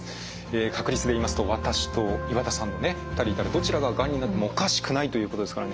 確率で言いますと私と岩田さんのね２人いたらどちらががんになってもおかしくないということですからね